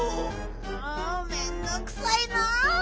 もうめんどくさいなあ！